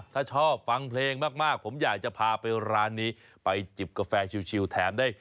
ถ้าชอบฟังเพลงมากผมอยากจะพาไปร้านนี้ไปจิบกาแฟชิวแถมได้